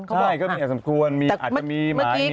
ใช่ก็มีเหตุสมควรอาจจะมีหมามีอะไรอย่างนี้